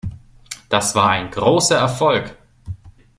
Das war ein großer Erfolg!